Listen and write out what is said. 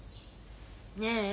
ねえ。